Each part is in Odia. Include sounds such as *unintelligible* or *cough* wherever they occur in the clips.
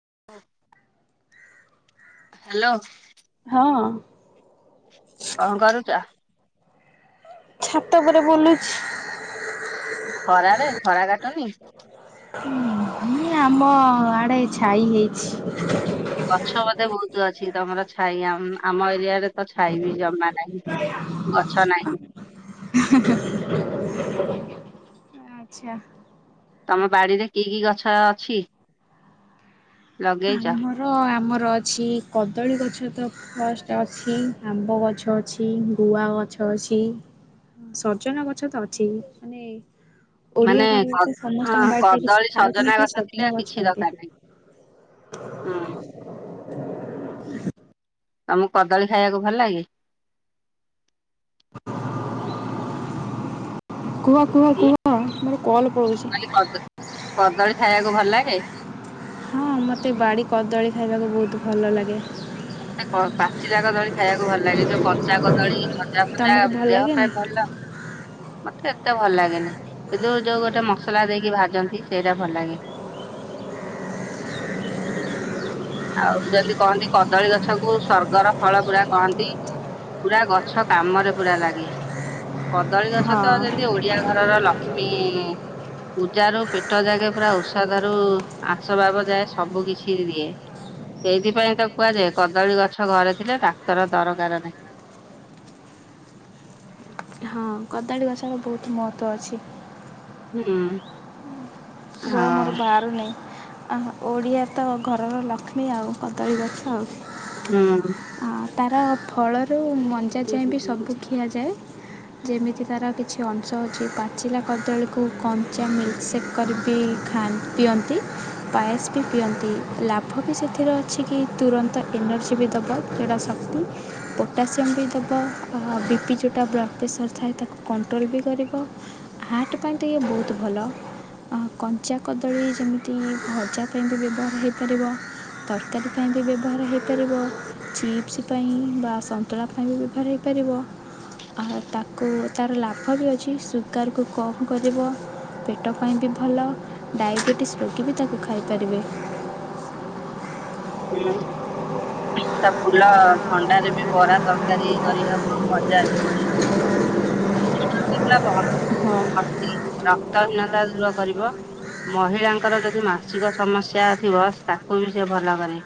*inaudible* ହ୍ୟାଲୋ ହଁ। କଣ କରୁଛ? ଛାତ ଉପରେ ବୁଲୁଛି। ଖରାରେ ଖରା କାଟୁନି? ହ ଆମ ଆଡେ ଛାଇ ହେଇଛି। ଗଛ ବଧେ ବହୁତ ଅଛି ତମର ଛାଇ ଆ ଆମ ଏରିଆ ରେ ତ ଛାଇ ବି ଜମା ନାହିଁ। ଗଛ ନାହିଁ। ହି ହି ଆଚ୍ଛା। ତମ ବାଡିରେ କି କି ଗଛ ଅଛି? ଲଗେଇଛ? ଆମର ଆମର ର ଅଛି କଦଳୀ ଗଛ ତ ଫାଷ୍ଟ ଅଛି ଆମ୍ବ ଗଛ ଅଛି ଗୁଆ ଗଛ ଗଛ ଅଛି ସଜନା ଗଛ ତ ଅଛି ମାନେ ଓଡିଆ ମାନେ ଘରେ କ ତ ସମସ୍ତଙ୍କ ହଁ ବାଡିରେ କିଛି କଦଳୀ ଥାଏ କି ସଜନା ନଥାଏ ଗଛ ସଜନା ଥିଲେ କିଛି ଲାଗେ। ଦରକାର ନାହିଁ। ଉଁ। ତମକୁ କଦଳୀ ଖାଇବାକୁ ଭଲ ଲାଗେ? କୁହ କୁହ ମୁଁ କୁହ ମୋର କଲ୍ ପଳଉଚି। କହିଲି କଦ କଦଳୀ ଖାଇବାକୁ ଭଲ ଲାଗେ? ହଁ ମତେ ବାଡ଼ି କଦଳୀ ଖାଇବାକୁ ବହୁତ୍ ଭଲ ଲାଗେ। ମତେ କ ପାଚିଲା କଦଳୀ ଖାଇବାକୁ ଭଲ ଲାଗେ ଯୋଉ କଞ୍ଚା କଦଳୀ ଭଜା ଫଜା ତମକୁ ଭଲ ଦେହ ଲାଗେନି? ପାଇଁ ଭଲ। *inaudible* ମତେ ଏତେ ଭଲ ଲାଗେନି କିନ୍ତୁ ଯୋଉ ଗୋଟେ ମସଲା ଦେଇକି ଭାଜନ୍ତି ସେଇଟା ଭଲ ଲାଗେ। *inaudible* ଆଉ ଯେମିତି କହନ୍ତି କଦଳୀ ଗଛ କୁ ସ୍ଵର୍ଗର ଫଳ ପୁରା କହନ୍ତି। ପୁରା ଗଛ କାମରେ ପୁରା ଲାଗେ କଦଳୀ ଗଛ ତ ହଁ। ଯେମିତି ଓଡିଆ ଘର ର ଲକ୍ଷ୍ମୀ ପୂଜା ରୁ ପେଟ ଯାକେ ପୁରା ଓଷାଦା ରୁ ଆସବାବ ଯାଏ ସବୁ କିଛି ଦିଏ। ସେଇଥିପାଇଁ ତ କୁହାଯାଏ କଦଳୀ ଗଛ ଘରେ ଥିଲେ ଡାକ୍ତର ଦରକାର ନାହିଁ। ହଁ। ହଁ କଦାଳୀ ଗଛର ବହୁତ୍ ମହତ୍ତ୍ଵ ଅଛି। ହୁଁ। ରୁଅ ମୋର ହଁ ଭାଆରୁ ନେଇ। ଆଃ ଓଡ଼ିଆ ତ ଘରର ଲକ୍ଷ୍ମୀ ଆଉ କଦଳୀ ଗଛ ଆଉ। ହୁଁ। ତାର ଫଳରୁ ମଞ୍ଜା ଯାଏଁ ବି ସବୁ ଖିଆଯାଏ। ଯେମିତି ତାର କିଛି ଅଂଶ ଅଛି ପାଚିଲା କଦଳୀକୁ କଞ୍ଚା ମିଲ୍କ ସେପ କରିବ। ପିଇ ଖାଇ ପିଅନ୍ତି। ପାଏସ୍ ବି ପିଅନ୍ତି ଲାଭ ବି ସେଥିରେ ଅଛି କି ତୁରନ୍ତ ଏନର୍ଜି ବି ଦବ ଯଉ ଟା ସତ ପୋଟାସିୟମ୍ ବି ଦବ ଅହ ବିପି ଯଉଟା ବ୍ଲଡ଼ ପ୍ରେସର ଥାଏ ତାକୁ କଣ୍ଟ୍ରୋଲ୍ ବି କର ରିବ ହାର୍ଟ ପାଇଁ ତ ଇଏ ଭଉତ୍ ଭଲ। ଅହ କଞ୍ଚା କଦଳୀ ଯେମିତି ଭଜା ପାଇଁ ବି ବ୍ୟବହାର ହେଇପାରିବ। ତରକାରୀ ପାଇଁ ବି ବ୍ୟବହାର ହେଇପାରିବ ଚିପ୍ସି ପାଇଁ ବା ସନ୍ତୁଳା ପାଇଁ ବି ବ୍ୟବହାର ହେଇପାରିବ। ଆ ତାକୁ ତାର ଲାଭ ବି ଅଛି ସୁଗାରକୁ କମ୍ କରିବ ପେଟ ପାଇଁ ବି ଭଲ ଡାଇବେଟିସ୍ ରୋଗୀ ବି ତାକୁ ଖାଇପାରିବେ। ହୁଁ ହୁଁ। ତା ଫୁଲ ଭଣ୍ଡାରେ ବି ବରା ତରକାରୀ କରିହବ ବି ଭଜାଵି କରିହବ। *inaudible* *unintelligible* ହଁ ରକ୍ତ ହୀନତା ଦୂର କରିବ। ମହିଳାଙ୍କର ଯଦି ମାସିକ ସମସ୍ୟା ଥିବ ତାକୁ ବି ସେ ଭଲ କରେ।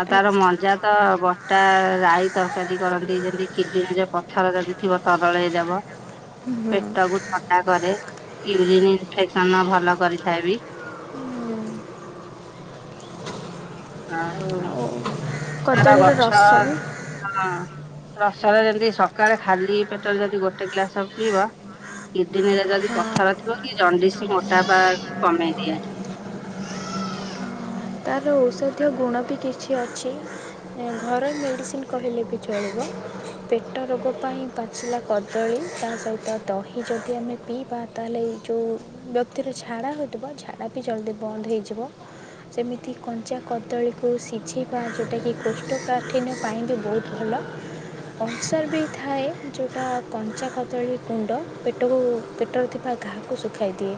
ଆଉ ତାର ମଜା ତ ବଟା ରାଈ ତରକାରୀ କରନ୍ତି ଯେମିତି କିଜିନୀ ପଥର ଥିବ ତରଳେଇ ଦବ ପେଟ କୁ ଥଣ୍ଡା କରେ‌। ୟୁ ରିନ୍ ଇଫେକ୍ ସନ ଭଲ କରିଥାଏ ବି। ଉଁ। ଆଉ ତାର କଦଳୀର ଗଛ ରସ ବି ହଁ। ରସରେ ଯେମତି ସକାଳେ ଖାଲି ପେଟରେ ଯଦି ଗୋଟେ ଗ୍ଲାସ ପିଇବ କିଡିନୀରେ ଯଦି ହଁ। ପଥର ଥିବ କି ଦଣ୍ଡିସି ମୋଟା ପା କମେଇ ଦିଏ। ତାର ଔଷଧୀୟ ଗୁଣ ବି କିଛି ଅଛି, ଏ ଘରୋଇ ମେଡ଼ିସିନ୍ କହିଲେ ବି ଚଳିବ। ପେଟ ରୋଗ ପାଇଁ ପାଚିଲା କଦଳୀ ତା ସହିତ ଦହି ଯଦି ଆମେ ପିଇବା ତାହେଲେ ଯୋଉ ବ୍ୟକ୍ତିର ଝାଡ଼ା ହେଉଥିବ ଝାଡ଼ା ବି ଜଲ୍ଦି ବନ୍ଦ ହେଇଯିବ ସେମିତି ତି କଞ୍ଚା କଦଳୀକୁ ସିଝେଇବା ଯେଉଁଟାକି କୋଷ୍ଠକାଠିନ ପାଇଁ ବି ବହୁତ ଭଲ। ଅଂସର ବି ଥାଏ ଯେଉଁଟା କଞ୍ଚା କଦଳୀ ଗୁଣ୍ଡ ପେଟକୁ ପେଟରେ ଥିବା ଘାଆକୁ ଶୁଖାଇ ଦିଏ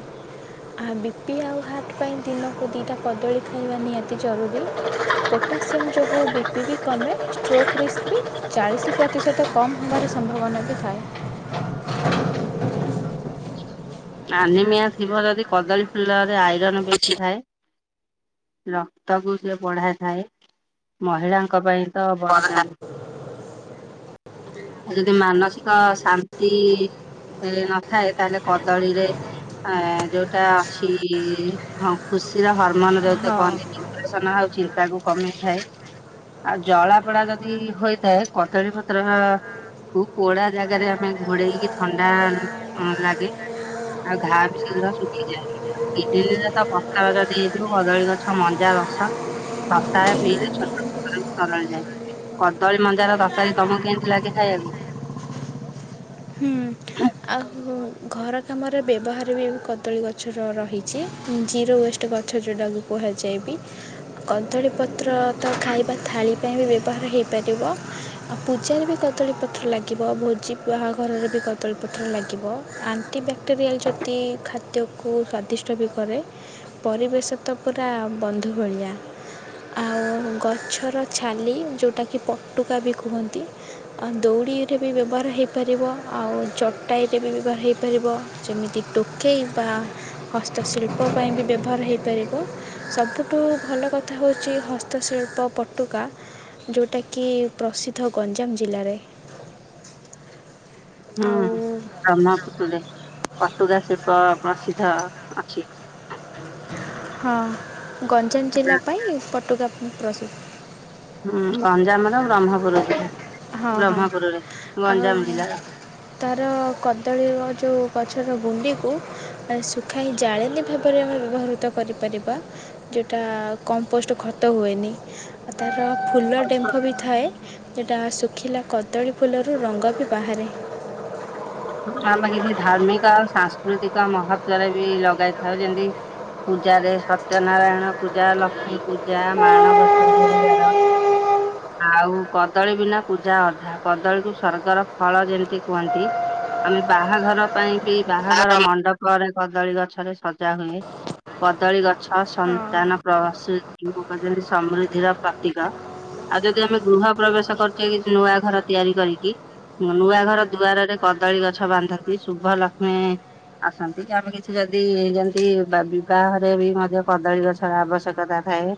ଆ ବି ପି ଆଉ ହାର୍ଟ ପାଇଁ ଦିନକୁ ଦିଟା କଦଳୀ ଖାଇବା ନିହାତି ଜରୁରୀ ପୋଟାସିୟମ୍ ଯୋଗୁଁ ବିପି ବି କମେ ଷ୍ଟ୍ରୋକ୍ ରିସ୍ପି ଚାଳିଶି ପ୍ରତିଶତ କମ୍ ହେବାର ସମ୍ଭାବନା ବି ଥାଏ। ଆନିମିଆ ଥିବ ଯଦି କଦଳୀ ଫୁଲରେ ଆଇରନ ବେଶୀ ଥାଏ। ରକ୍ତକୁ ସେ ବଢାଇ ଥାଏ ମହିଳାଙ୍କ ପାଇଁ ତ ବର ଦାନ। ଆଉ ଯଦି ମାନସିକ ଶାନ୍ତି ନଥାଏ ତାହେଲେ କ ଦଳିରେ ଆ ଯୋଉଟା ଅଛି ହଁ ଖୁସିର ହର୍ମ ମନରେ ଯୋଉତ ହଁ କହନ୍ତି ଡିପ୍ରେସନ ଆଉ ଚିନ୍ତା କୁ କମେଇ ଥାଏ। ଆଉ ଜଳା ପଡା ଯଦି ହୋଇଥାଏ କଦଳୀପତ୍ର କୁ କୋଡ଼ା ଜାଗାରେ ଆମେ ଘୋଡେଇକି ଥଣ୍ଡା ଆଁ ଲାଗେ। ଆଉ ଘା ବି ଶୀଘ୍ର ଶୁଖିଯାଏ। ଦି ଦିନରେ କଣ୍ଟା ବତର ହେଇଥିବ କଦଳୀ ଗଛ ମଜା ରସ ସକାଳେ ପିଇଲେ ଛୋଟ ତରଳି ଯାଏ। କଦଳୀ ମଞ୍ଜାର ତରକାରୀ ତମକୁ କେମିତି ଲାଗେ ଖାଇବାକୁ? ହୁଁ ଆଉ ଘର କାମରେ ବ୍ୟବହାର ବି କଦଳୀ ଗଛର ରହିଛି ଜିରୋ ୱେଷ୍ଟ ଗଛ ଯେଉଁଟାକୁ କୁହା ଯାଏ ବି କଦଳୀ ପତ୍ର ତ ଖାଇବା ଥାଳି ପାଇଁ ବି ବ୍ୟବହାର ହେଇପାରିବ। ଆଉ ପୂଜାରେ ବି କଦଳୀପତ୍ର ଲାଗିବ ଭୋଜି ବାହାଘରରେ ବି କଦଳୀପତ୍ର ଲାଗିବ। ଆନ୍ଟି ବ୍ୟାକ୍ଟେରିଆଲ୍ ଯଦି ଖାଦ୍ୟକୁ ସ୍ଵାଦିଷ୍ଟ ବି କରେ ପରିବେଶ ତ ପୁରା ବନ୍ଧୁ ଭଳିଆ ଆଉ ଗଛର ଛାଲି ଯେଉଁଟାକି ପଟୁକା ବି କୁହନ୍ତି। ଦଉଡ଼ିରେ ବି ବ୍ୟବହାର ହେଇପାରିବ ଆଉ ଚଟାଇରେ ବି ହେଇପାରିବ ଯେମିତି ଟୋକେଇ ବା ହସ୍ତଶିଳ୍ପ ପାଇଁ ବି ବ୍ୟବହାର ହୋଇଇପାରିବ ସବୁଠୁ ଭଲ କଥା ହେଉଛି ହସ୍ତଶିଳ୍ ଶିଳ୍ପ ପଟୁକା ଯେଉଁଟାକି ପ୍ରସିଦ୍ଧ ଗଞ୍ଜାମ ଜିଲ୍ଲାରେ ହୁଁ ଆଉ ବ୍ରହ୍ମ କୁଟୁଡେ ପାଟୁରା ଶିଳ୍ପ ପ୍ରସିଦ୍ଧ ଅଛି। ହଁ ଗଞ୍ଜାମ ଜିଲ୍ଲା ପାଇଁ ପଟୁଗା ପ୍ରସିଦ୍ଧ। ହୁଁ ଗଞ୍ଜାମର ବ୍ରହ୍ମପୁର ଜିଲ୍ ହଁ ହଁ ଆଉ ଜିଲ୍ଲାର। ତାର କଦଳୀ ଯୋଉ ଗଛ ଗୁଡିକୁ ଶୁଖାଇ ଜାଳେନୀ ଭାବରେ ଆମେ ବ୍ୟବହୃତ କରିପାରିବା ଯଉଟା ଆ କମ୍ପୋଷ୍ଟ ଖତ ହୁଏନି ଆଉ ତା ଫୁଲ ଡେମ୍ଫ ବି ଥାଏ ସେଟା ଶୁ ଖିଲା କଦଳୀ ଫୁଲରୁ ରଙ୍ଗ ବି ବାହାରେ ଆମେ କିଛି ଧାର୍ମିକ ଆଉ ସାଂସ୍କୃତିକ ମୋହତରେ ବି ଲଗାଇଥାଉ ଯେମିତି ପୂଜାରେ ସତ୍ୟ ନାରାୟଣ ପୂଜା ଲକ୍ଷ୍ମୀ ପୂଜା ମାଣବସା ଗୁରୁବାର। ଆଉ କଦଳୀ ବିନା ପୂଜା ଅଧା କଦଳୀକୁ ସର୍ଗର ଫଳ ଯେମିତି କୁହନ୍ତି। ଆମେ ବାହାଘର ପାଇଁ ବି ବାହାଘର ମଣ୍ଡପରେ କଦଳୀ ଗଛରେ ସଜା ହୁଏ। କଦଳୀ ଗଛ ସନ୍ତାନ ପ୍ରବାସ ଯବକ ପ୍ରସୂତି ସମୃଦ୍ଧିର ପ୍ରତୀକ। ଆଉ ଯଦି ଆମେ ଗୃହ ପ୍ରବେଶ କରୁଛେ କିଛି ନୂଆ ଘର ତିଆରି କରିକି ନୂଆ ଘର ଦୁଆରରେ କଦଳୀ ଗଛ ବାନ୍ଧନ୍ତି ଶୁଭ ଲକ୍ଷ୍ମୀ ଆସନ୍ତି କି ଆମେ କିଛି ଯଦି ଯେମତି ବିବାହରେ ବି ମଧ୍ୟ କଦଳୀ ଗଛର ଆବଶ୍ୟକତା ଥାଏ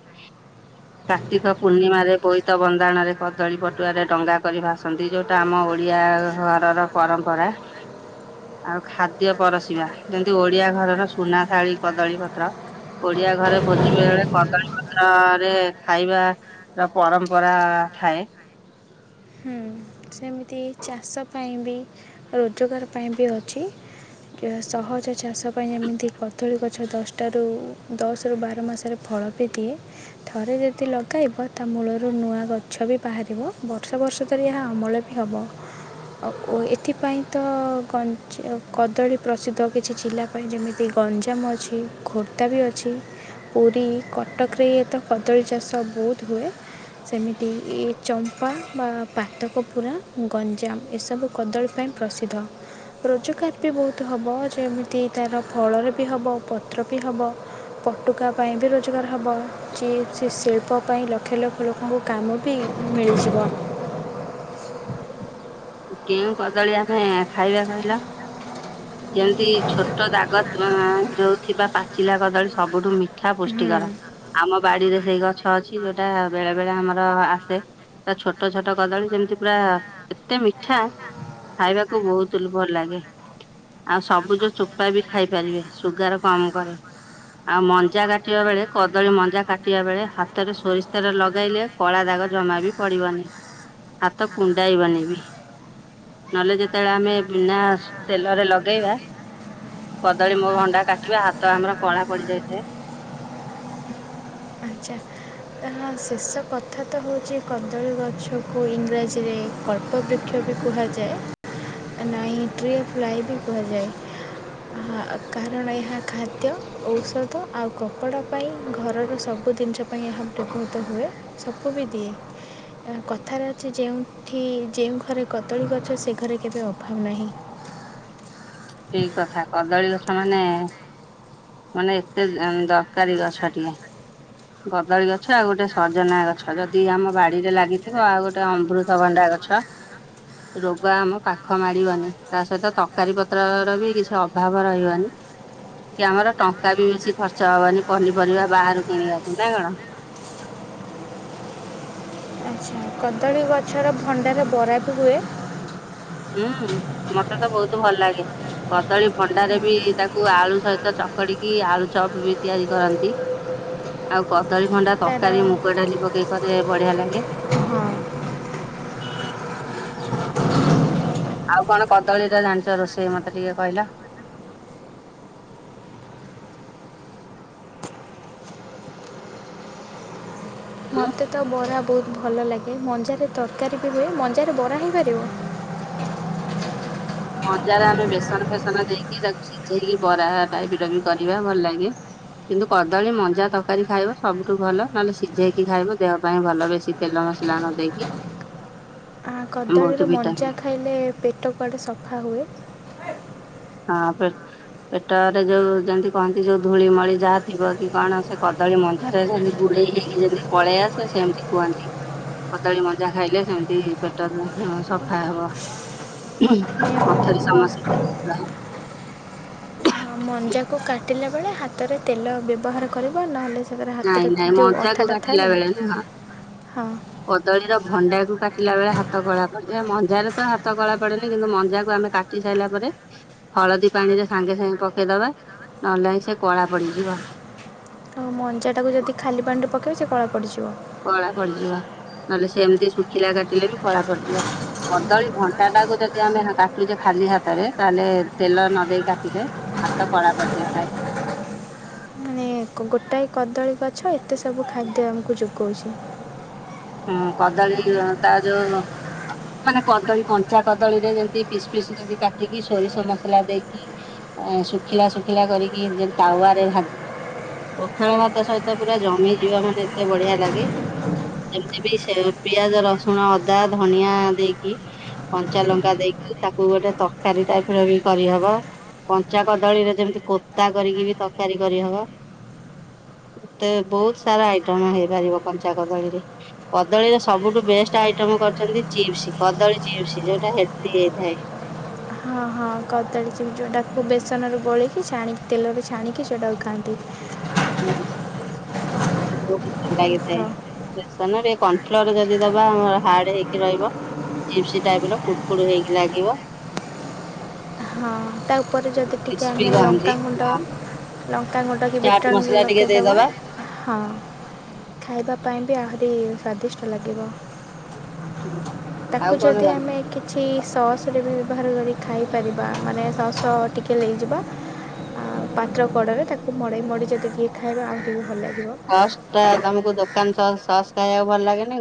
କାର୍ତ୍ତିକ ପୂର୍ଣ୍ଣିମାରେ ବୋଇ ତ ବନ୍ଦାଣରେ କଦଳୀ ପଟୁଆରେ ଡଙ୍ଗା କରି ଭାସନ୍ତି ଯୋଉଟା ଆମ ଓଡିଆ ଘରର ପରମ୍ପରା। ରା। ଆଉ ଖାଦ୍ୟ ପରସିବା ଯେମିତି ଓଡିଆ ଘରର ସୁନା ଥାଳି କଦଳୀ ପତ୍ର। ଓଡିଆ ଘରେ ଭୋଜି ବେ-ବେଳେ କଦଳୀପତ୍ରରେ ଖାଇବାର ପରମ୍ ପରା ଥାଏ। ସେମିତି ଚାଷ ପାଇଁ ବି ରୋଜଗାର ପାଇଁ ବି ଅଛି। ସହଜ ଚାଷ ପାଇଁ ଯେମିତି କଦଳୀ ଗଛ ଦଶଟାରୁ ଦଶ ରୁ ବାର ମାସରେ ଫଳ ବି ଦିଏ ଥରେ ଯଦି ଲଗାଇବ ତା ମୂଳରୁ ନୂଆ ଗଛ ବି ବାହାରିବ ବର୍ଷ-ବର୍ଷ ଭବିଷ୍ୟତ ରେ ଏହା ଅମଳ ବି ହେବ। ଓ ଏଥିପାଇଁ ତ କଦଳୀ ପ୍ରସିଦ୍ଧ କିଛି ଜିଲ୍ଲା ପାଇଁ ଯେମିତି ଗଞ୍ଜାମ ଅଛି ଖୋର୍ଦ୍ଧା ବି ଅଛି। ପୁରୀ କଟକରେ ଇଏ ତ କଦଳୀ ଚାଷ ବହୁତ ହୁଏ। ସେମିତି ଚମ୍ପା ବା ପା ପୋପୁରା ଗଞ୍ଜାମ ଏସବୁ କଦଳୀ ପାଇଁ ପ୍ରସିଦ୍ଧ। ରୋଜଗାର ବି ବହୁତ ହବ ଯେମିତି ତାର ଫଳରେ ବି ହେବ ପତ୍ର ବି ହେବ। ପଟୁକା ପାଇଁ ବି ରୋଜଗାର ହବ ଯିଏ ସେ ଶିଳ୍ପ ପାଇଁ ଲକ୍ଷ ଲକ୍ଷ ଲୋକଙ୍କୁ କାମ ବି ମିଳିଯିବ। କେଉଁ କଦଳୀ ଆମେ ଖାଇବା କହିଲ? ଯେମିତି ଛୋଟ ଦାଗ ଯୋଉଥିବା ପାଚିଲା କଦଳୀ ସବୁଠୁ ମିଠା ହୁଁ। ପୁଷ୍ଟିକର। ଆମ ବାଡିରେ ସେଇ ଗଛ ଅଛି ଯୋଉଟା ବେଳେ-ବେଳେ ଆମର ଆସେ। ପୁରା ଛୋଟ-ଛୋଟ କଦଳୀ ଯେମିତି ପୁରା ଏତେ ମିଠା ଖାଇବାକୁ ବହୁତ୍ ଭଲ ଲାଗେ। ଆଉ ସବୁଜ ଚୋପା ବି ଖାଇପାରିବେ ସୁଗାର କମ କରେ। ଆଉ ମଞ୍ଜା କାଟିବା ବେଳେ କଦଳୀ ମଞ୍ଜା କାଟିବା ବେଳେ ହାତରେ ସୋରିଷ ତେଲ ଲଗାଇଲେ କଳା ଦାଗ ଜମା ବି ପଡିବନି ହାତ କୁଣ୍ଡାଇବନି ବି। ନହେଲେ ଯେତେବେଳେ ଆମେ ବିନା ତେଲରେ ଲଗେଇ ଲଗେଇବା କଦଳୀ ମୋ ଭଣ୍ଡା କାଟିବା ହାତ ଆମର କଳା ପଡିଯାଇଥାଏ। ଆଚ୍ଛା। ତାହା ଶେଷ କଥା ତ ହଉଛି କଦଳୀ ଗଛକୁ ଇଂରାଜୀରେ କଳ୍ପ ବୃକ୍ଷ ବି କୁହାଯାଏ ନାଇଁ ଟ୍ରି ଅଫ୍ ଲାଇ ବି କୁହାଯାଏ। ଆହା କାରଣ ଏହା ଖାଦ୍ୟ ଔଷଧ ଆଉ କପଡ଼ା ପାଇଁ ଘରର ସବୁ ସବୁ ଜିନିଷ ପାଇଁ ଏହା ବ୍ୟବହୃତ ହୁଏ ସବୁ ବି ଦିଏ। କଥାରେ ଅଛି ଯେଉଁଠି ଯେଉଁ ଘରେ କଦଳୀ ଗଛ ସେ ଘରେ କେବେ ଅଭାବ ନାହିଁ। ଠିକ କଥା କଦଳୀ ଗଛ ମାନେ ମାନେ ଏତେ ଦରକାରୀ ଗଛଟିଏ। କଦଳୀ ଗଛ ଆଉ ଗୋଟେ ସଜନା ଗଛ ଯଦି ଆମ ବାଡିରେ ଲାଗିଥିବ ଆଉ ଗୋଟେ ଅମୃତଭଣ୍ଡା ଗଛ। ଆଚ୍ଛା। ରୋଗ ଆମ ପାଖ ମାଡିବନି ତା ସହିତ ତରକାରୀ ପତ୍ର ର ବି କିଛି ଅଭାବ ରହିବନି। କି ଆମର ଟଙ୍କା ବି ବେଶି ଖର୍ଚ୍ଚ ହବନି ପନିପରିବା ବାହାରୁ କିଣିବାକୁ। ନା କଣ? ଆଚ୍ଛା କଦଳୀ ଗଛର ଭଣ୍ଡାର ବରା ବି ହୁଏ। ହୁଁ ମତେ ତ ବହୁତ ଭଲ ଲାଗେ କଦଳୀ ଭଣ୍ଡାରେ ବି ତାକୁ ଆଳୁ ସହିତ ଚକଡିକି ଆଳୁ ଚପ ବି ତିଆରି କରନ୍ତି ଆଉ କଦଳୀ ଭଣ୍ଡା ତା'ର ତରକାରୀ ମୁଗଡାଲି ପକେଇ ସେ ବଢିଆ ଲାଗେ। ହଁ ଆଉ କଣ କଦଳୀ ରେ ଜାଣିଛ ରୋଷେଇ ମତେ ଟିକେ କହିଲ। ଉଁ ମୋତେ ତ ବରା ବହୁତ ଭଲ ଲାଗେ ମଞ୍ଜାରେ ତରକାରୀ ବି ହୁଏ ମଞ୍ଜାରେ ବରା ହେଇପାରିବ। ମଞ୍ଜାର ଆମେ ବେସନ ଫେସନ ଦେଇକି ତାକୁ ସିଝେଇକି ବରା ଟାଇପର ବି କରିବା ଭଲ ଲାଗେ। କିନ୍ତୁ କଦଳୀ ମଞ୍ଜା ତରକାରୀ ଖାଇବ ସବୁଠୁ ଭଲ ନହେଲେ ସିଝେଇକି ଖାଇବ ଦେହ ପାଇଁ ଭଲ ବେଶି ତେଲ ମସଲା ନ ଦେଇକି। ବହୁତ କଦଳୀର ଭିଟାମିନ ମଞ୍ଜା ଖାଇଲେ ପେଟ କୁଆଡ଼େ ସଫା ହୁଏ। ହଁ ପେ ପେଟରେ ଯୋଉ ଯେମିତି କହନ୍ତି ଯୋଉ ଧୂଳିମଳି ଯାହା ଥିବ କି କଣ ସେ କଦଳୀ ସେ ମଞ୍ଜାରେ ଜେମି ଗମଗୁଡେଇ ହେଇକି ଯେମିତି ପଳେଇ ଆସେ ସେମିତି କୁହନ୍ତି। କଦଳୀ ମଞ୍ଜା ଖାଇଲେ ସେମିତି ପେଟ ନହ ସଫା ହବ। ହଁ *unintelligible* ପଥରେ ସମସ୍ତ ମଞ୍ଜାକୁ କାଟିଲା ବେଳେ ହାତରେ ତେଲ ବ୍ୟବହାର କରିବ ନହେଲେ ସେ ନାଇଁ ନାଇଁ ମଞ୍ଜା କୁ କାଟିଲା ବେଳେ ନୁହଁ ଲାଗିଯିବ ହଁ କଦଳୀର ଭଣ୍ଡା କୁ କଟିଲା ବେଳେ ହାତ କଳା ପଡିଯାଏ। ମଞ୍ଜାରେ ତ ହାତ କଳା ପଡେନି କିନ୍ତୁ ମଞ୍ଜାକୁ ଆମେ କାଟି ସାରିଲା ପରେ ଏ ହଳଦୀ ପାଣି ରେ ସାଙ୍ଗେ ସାଙ୍ଗେ ପକେଇଦବା ନହେଲେ ନାଇଁ ସେ କଳା ପଡିଯିବ। ଆଉ ମଞ୍ଜାଟାକୁ ଯଦି ଖାଲି ପାଣିରେ ପକେଇବେ ସେ କଳା ପଡ଼ିଯିବ। କଳା ପଡିଯିବ। ନହେଲେ ସେମିତି ଶୁଖିଲା କାଟିଲେ ବି କଳା ପଡ଼ିଯିବ କଦଳୀ ଭଣ୍ଡା ଟାକୁ ଯଦି ଆମେ ହା କାଟୁଛେ ଖା ଖାଲି ହାତରେ ତାହେଲେ ତେଲ ନ ଦେଇେଇ କାଟିବେ ହାତ କଳା ପଡିଯାଇଥାଏ। ମାନେ ଏକ ଗୋଟାଏ କଦଳୀ ଗଛ ଏତେ ସବୁ ଖାଦ୍ୟ ଆମକୁ ଯୋଗଉଛି। ହୁଁ କଦଳୀ ତା ଯୋଉ ମାନେ କଦଳୀ କଞ୍ଚା କଦଳୀରେ ଯେମିତି ପିସ୍ ପିସ୍ କରିି କାଟିକି ସୋରିଷ ମସଲା ଦେଇକି ଇ ଅଁ ଶୁଖିଲା ଶୁଖିଲା କରିକି ଯେ ତାୱ ରେ ଭାଜିବ ପଖାଳ ଭାତ ସହିତ ପୁରା ଜମି ଯିବ ମାନେ ଏତେ ବଢିଆ ଲାଗେ। ସେମିତି ବି ସେ ପିଆଜ ରସୁଣ ଅଦା ଧନିଆ ଦେଇକି କଞ୍ଚାଲଙ୍କା ଦେଇକି ଭା ତାକୁ ଗୋଟେ ତରକାରୀ ଟାଇପର ବି କରିହବ। କଞ୍ଚା କଦଳୀରେ ଯେମିତି କୋରତା କରିକି ବି ତରକାରୀ କରିହବ। ଏତେ ବହୁତ ସାରା ଆଇଟମ ହେଇପାରିବ କଞ୍ଚା କଦଳୀରେ କଦଳୀର ସବୁଠୁ ବେଷ୍ଟ ଆଇଟମ କରିଛନ୍ତି ଚିପ୍ସ କଦଳୀ ଚିପ୍ସ ଯୋଉଟା ହେଲଦି ହେଇଥାଏ। ହଁ ହଁ। ହଁ କଦଳୀ ଚିପ୍ ଯେଉଁଟାକୁ ବେସନରୁ ଗୋଳେଇକି ଛାଣିକି ତେଲରେ ଛାଣିକି ସେଉଁଟାକୁ ଖାଆନ୍ତି। ହ *unintelligible* ଲାଗିଥାଏ। ହଁ ବେସନରେ କନଫ୍ଲୋର ଯଦି ଦବା ହାର୍ଡ ହେଇକି ରହିବ। ଚିପ୍ସ ଟାଇପ ର କୁଡକୁଡ ହେଇକି ଲାଗିବ। ହଁ ତା ଉପରେ ଯଦି ଟିକେ କ୍ରିସ୍ପି ଆମେ କହନ୍ତି। ଲଙ୍କାଗୁଣ୍ଡ ଆଉ ତା ମୁହଁଟାକୁ ଚାଟ ବିଟଲୁଣ ମସଲା ଟିକେ ଲଗେଇଦବା ଦେଇଦବା। ହଁ ଖାଇବା ପାଇଁ କୁ ଆହୁରି ସ୍ୱାଦିଷ୍ଟ ଲାଗିବ ତାକୁ ଆଉ କଣ ଯଦି ଆମେ କିଛି ସସରେେ ବି ବ୍ୟବହାର କରି ଖାଇପାରିବା ମାନେ ସସ ଟିକେ ନେଇଯିବା। ଆ ପାତ୍ର କଡ଼ରେ ତାକୁ ମଡ଼େଇ ମଡ଼େଇ ଯଦି ଟିକେ ଖାଇବେ ଆଉ ଟିକେ ଭଲ ଲାଗିବ। ସସ୍ ଟା ତମକୁ ଦୋକାନ ସସ୍ ସସ ଖାଇବାକୁ ଭଲ ଲାଗେନି।